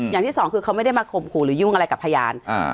อย่างที่สองคือเขาไม่ได้มาข่มขู่หรือยุ่งอะไรกับพยาน